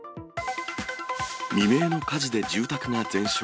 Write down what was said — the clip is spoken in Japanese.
未明の火事で住宅が全焼。